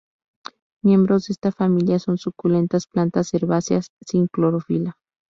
Miembros de esta familia son suculentas, plantas herbáceas sin clorofila.